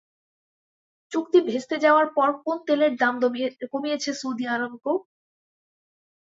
চুক্তি ভেস্তে যাওয়ার পর কোন তেলের দাম কমিয়েছে সৌদি আরামকো?